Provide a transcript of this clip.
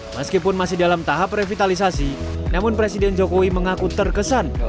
meskipun masih dalam tahap revitalisasi namun presiden jokowi mengaku terkesan